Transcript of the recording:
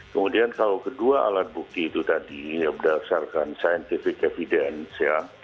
kemudian kalau kedua alat bukti itu tadi ya berdasarkan scientific evidence ya